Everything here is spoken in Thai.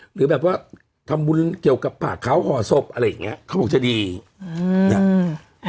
หรือแบบว่าทำบุญเกี่ยวกับผ่าเขาห่อศพอะไรอย่างเงี้เขาบอกจะดีอืมน่ะอืม